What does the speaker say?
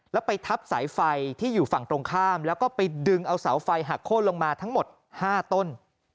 แล้วไปทับสายไฟที่อยู่ฝั่งตรงข้ามแล้วก็ไปดึงเอาเสาไฟหักโค้นลงมาทั้งหมด๕ต้น